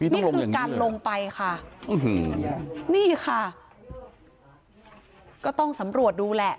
นี่คือการลงไปค่ะนี่ค่ะก็ต้องสำรวจดูแหละ